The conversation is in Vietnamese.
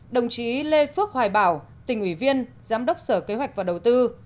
đồng chí lê phước hoài bảo tỉnh ủy viên giám đốc sở kế hoạch và đầu tư